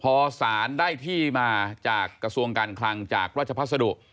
พอสารได้ที่มาจากกระทรวงการคลังจากราชพัสดุ